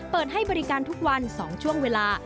เปิดให้บริการทุกวัน๒ช่วงเวลา